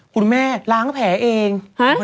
คุณแม่ล้างแผลเอง